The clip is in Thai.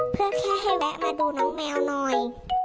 เพื่อแค่ให้แวะมาดูน้องแมวหน่อย